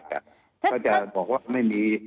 ถ้าบอกว่าไม่มี